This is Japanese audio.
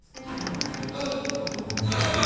ああいや